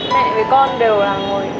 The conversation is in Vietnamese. mẹ với con đều là ngồi